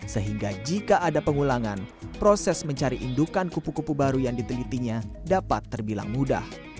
sehingga jika ada pengulangan proses mencari indukan kupu kupu baru yang ditelitinya dapat terbilang mudah